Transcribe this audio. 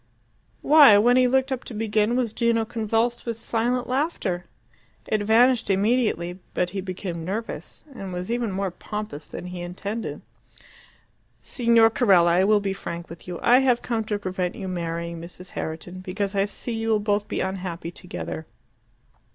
Why, when he looked up to begin, was Gino convulsed with silent laughter? It vanished immediately; but he became nervous, and was even more pompous than he intended. "Signor Carella, I will be frank with you. I have come to prevent you marrying Mrs. Herriton, because I see you will both be unhappy together.